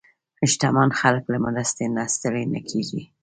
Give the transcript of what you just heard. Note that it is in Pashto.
شتمن خلک له مرستې نه ستړي نه کېږي.